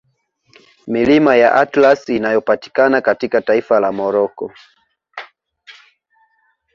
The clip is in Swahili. Milima ya Atlas inayopatikana katika taifa la Morocco